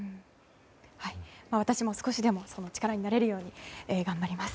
私も少しでもその力になれるように頑張ります。